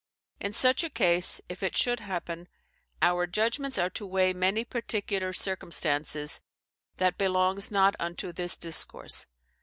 In such a case if it should happen, our judgments are to weigh many particular circumstances, that belongs not unto this discourse.